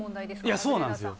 いやそうなんですよ。